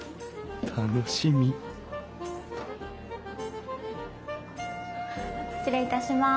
楽しみ失礼いたします。